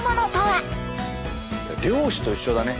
漁師と一緒だね